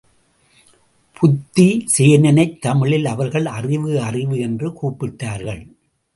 புத்திசேனனைத் தமிழில் அவர்கள் அறிவு அறிவு என்று கூப்பிட்டார்கள்.